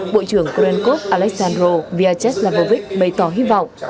bộ trưởng korenkov aleksandrov vyacheslavovic bày tỏ hy vọng